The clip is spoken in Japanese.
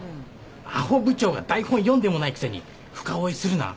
あほ部長が台本読んでもないくせに深追いするな。